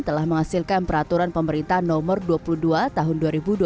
telah menghasilkan peraturan pemerintah nomor dua puluh dua tahun dua ribu dua puluh